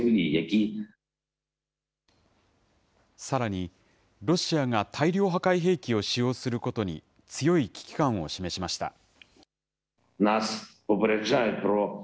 さらにロシアが大量破壊兵器を使用することに、強い危機感を示しました。